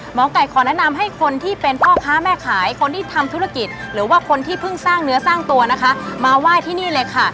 หมอไก่ขอแนะนำให้คนที่เป็นพ่อค้าแม่ขายคนที่ทำธุรกิจหรือว่าคนที่เพิ่งสร้างเนื้อสร้างตัวนะคะมาไหว้ที่นี่เลยค่ะ